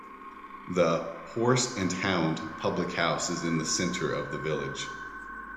The "Horse and Hound" public house is in the centre of the village.